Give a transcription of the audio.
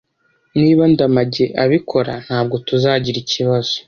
Niba Ndamage abikora, ntabwo tuzagira ikibazo.